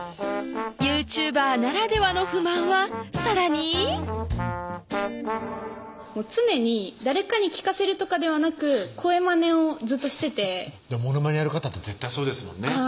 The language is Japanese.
ＹｏｕＴｕｂｅｒならではの不満はさらに常に誰かに聞かせるとかではなく声マネをずっとしててモノマネやる方って絶対そうですもんね